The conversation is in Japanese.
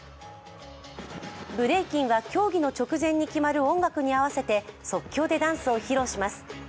ブレイキンは競技の直前に決まる音楽に合わせて即興でダンスを披露します。